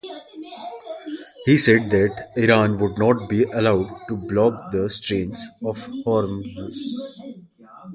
He said that Iran would not be allowed to block the Straits of Hormuz.